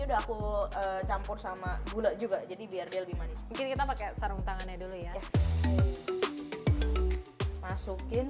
udah aku campur sama gula juga jadi biar dia lebih manis mungkin kita pakai sarung tangannya dulu ya masukin